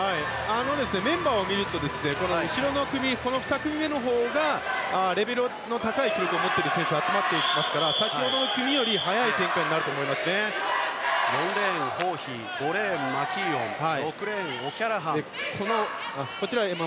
メンバーを見ると２組目のほうがレベルの高い記録を持っている選手が集まっていますから先ほどの組より４レーン、ホーヒー５レーン、マキーオン６レーン、オキャラハン。